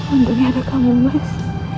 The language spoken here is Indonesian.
untungnya ada kamu mas